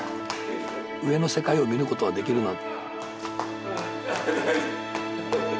上の世界を見ることはできるな。